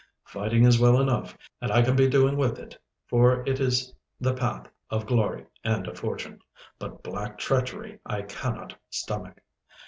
Fighting is well enough, and I can be doing with it, for it is the path of glory and of fortune. But black treachery I cannot stomach.